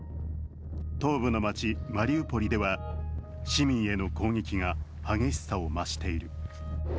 東部の街マリウポリでは市民への攻撃が激しさを増している。